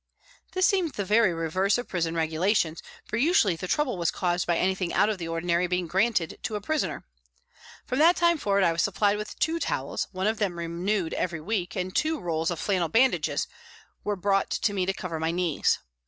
This seemed the very reverse of prison regulations, for usually the trouble was caused by anything out of the ordinary being granted to a prisoner. From that time forward I was supplied with two towels, one of them renewed every week, and two rolls of THE HOSPITAL 113 flannel bandages were brought to me to cover my knees.